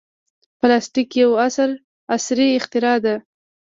پلاستيک یو عصري اختراع ده.